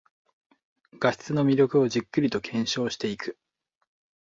画質の魅力をじっくりと検証していく